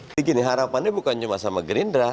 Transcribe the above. jadi gini harapannya bukan cuma sama gerindra